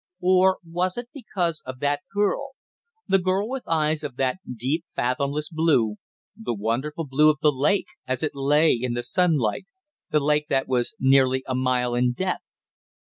Or was it because of that girl? the girl with eyes of that deep, fathomless blue, the wonderful blue of the lake as it lay in the sunlight the lake that was nearly a mile in depth.